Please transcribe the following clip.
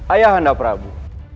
ayah anda prabu